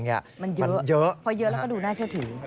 มันเยอะพอเยอะแล้วก็ดูน่าเชื่อถือ